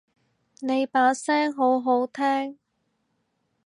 你把聲好好聽